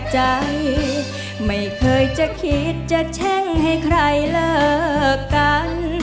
ใจไม่เคยจะคิดจะแช่งให้ใครเลิกกัน